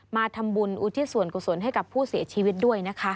มาทำบุญอุทิศส่วนกุศลให้กับผู้เสียชีวิตด้วยนะคะ